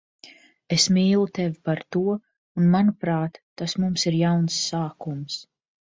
Es mīlu tevi par to un, manuprāt, tas mums ir jauns sākums.